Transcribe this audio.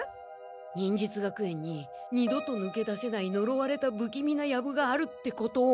忍術学園に二度と抜け出せないのろわれたぶきみなヤブがあるってことを。